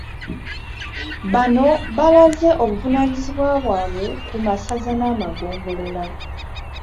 Bano abalaze obuvunaanyizibwa bwabwe ku masaza n'amagombolola.